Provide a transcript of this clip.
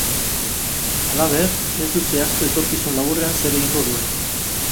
Halaber, ez du zehaztu etorkizun laburrean zer egingo duen.